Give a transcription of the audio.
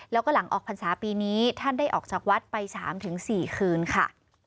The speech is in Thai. แล้วก็หลังออกพรรษาปีนี้ท่านได้ออกจากวัดไป๓๔คืนค่ะ